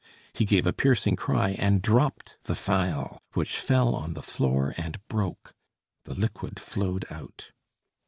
He gave a piercing cry, and dropped the phial, which fell on the floor and broke. The liquid flowed out.